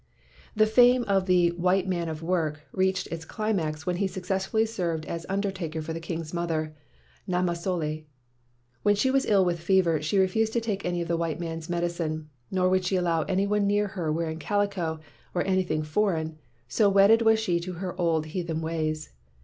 The fame of the "white man of work" reached its climax when he successfully served as undertaker for the king's mother, Namasole. While she w r as ill with fever, she refused to take any of the white man's medicine, nor would she allow any one near her wearing calico or anything foreign, so wedded was she to her old heathen ways.